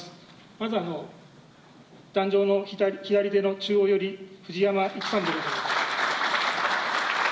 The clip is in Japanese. まず壇上の左手の中央より藤山粋さんでございます。